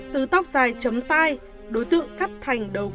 từ tóc dài chấm tai đối tượng cắt thành đầu